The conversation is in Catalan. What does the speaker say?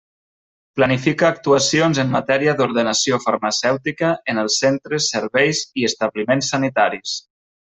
Planifica actuacions en matèria d'ordenació farmacèutica en els centres, serveis i establiments sanitaris.